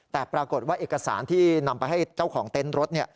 แต่ปรากฏว่าเอกสารที่นำไปให้เจ้าของเต็นต์รถ